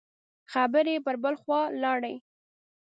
خبرې پر بل خوا لاړې.